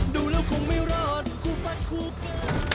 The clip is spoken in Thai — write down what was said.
ดูแล้วคงไม่รอดคู่ฟัดคู่กัน